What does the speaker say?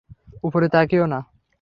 উপরে তাকিয়ো না!